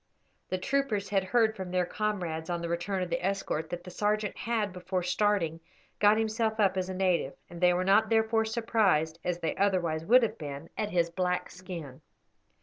The troopers had heard from their comrades, on the return of the escort, that the sergeant had, before starting, got himself up as a native; and they were not therefore surprised, as they otherwise would have been, at his black skin.